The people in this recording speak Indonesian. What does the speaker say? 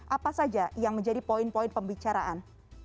apa saja yang menjadi poin poin pembicaraan